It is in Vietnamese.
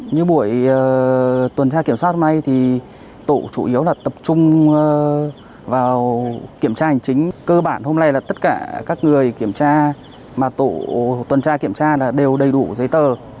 như buổi tuần tra kiểm soát hôm nay thì tổ chủ yếu là tập trung vào kiểm tra hành chính cơ bản hôm nay là tất cả các người kiểm tra mà tổ tuần tra kiểm tra đều đầy đủ giấy tờ